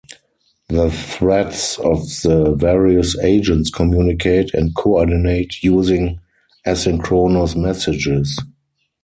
The threads of the various agents communicate and coordinate using asynchronous messages.